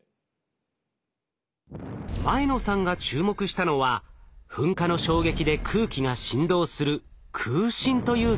前野さんが注目したのは噴火の衝撃で空気が振動する空振という現象でした。